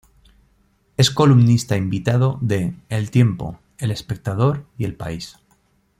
Es columnista invitado de El Tiempo, El Espectador y El País.